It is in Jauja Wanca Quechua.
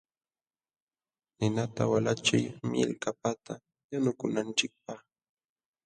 Ninata walachiy millkapata yanukunanchikpaq.